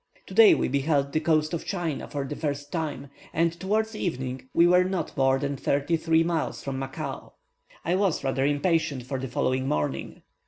Today we beheld the coast of China for the first time, and towards evening we were not more than thirty three miles from Macao. I was rather impatient for the following morning.